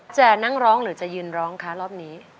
จะนั่งร้องหรือจะยืนร้องคะรอบนี้